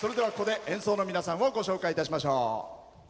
ここで演奏の皆さんをご紹介いたしましょう。